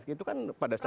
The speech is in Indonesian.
itu kan pada saat